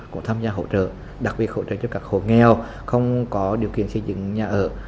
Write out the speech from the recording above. cũng tham gia hỗ trợ đặc biệt hỗ trợ cho các hộ nghèo không có điều kiện xây dựng nhà ở